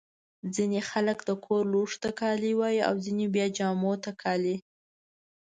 ځيني خلک د کور لوښو ته کالي وايي. او ځيني بیا جامو ته کالي.